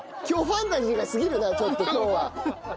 今日ファンタジーがすぎるなちょっと今日は。